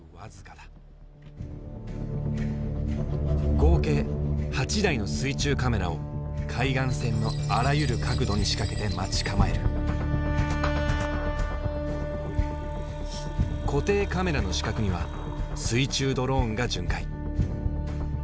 合計８台の水中カメラを海岸線のあらゆる角度に仕掛けて待ち構える固定カメラの死角には水中ドローンが巡回。